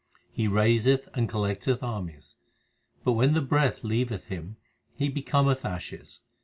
He raiseth and collecteth armies, But when the breath leaveth him he becometh ashes.